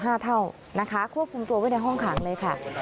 ห้าเท่านะคะควบคุมตัวไว้ในห้องขังเลยค่ะ